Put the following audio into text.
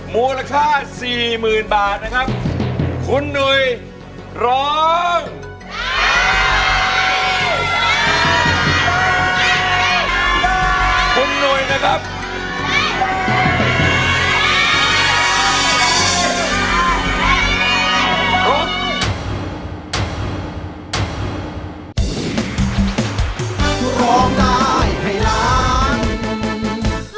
เพลงที่๔ของเขาดูสิว่าเขาจะทำสำเร็จหรือว่าร้องผิดครับ